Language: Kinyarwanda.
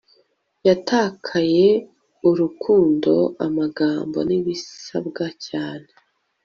Yatakaye Urukundo Amagambo nibisabwa cyane